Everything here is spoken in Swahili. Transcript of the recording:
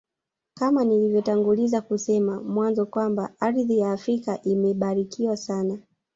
Kama nilivyotanguliza kusema mwanzo Kwamba ardhi ya Afrika imebarikiwa sana